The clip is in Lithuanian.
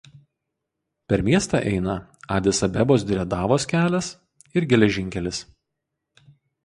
Per miestą eina Adis Abebos–Diredavos kelias ir geležinkelis.